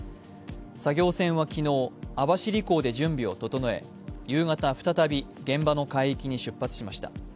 作業船は昨日、網走港で準備を整え夕方、再び現場の海域に出発しました。